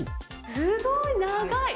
すごい、長い！